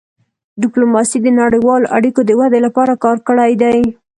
ډيپلوماسي د نړیوالو اړیکو د ودې لپاره کار کړی دی.